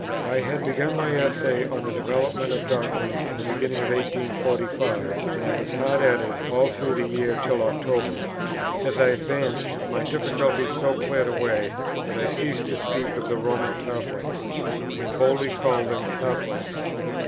I had begun my Essay on the Development of Doctrine in the beginning of 1845, and I was hard at it all through the year till October. As I advanced, my difficulties so cleared away that I ceased to speak of "the Roman Catholics," and boldly called them Catholics.